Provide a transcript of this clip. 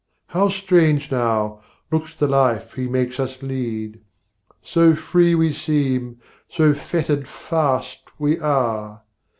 How strange now, looks the life he makes us lead; So free we seem, so fettered fast we are!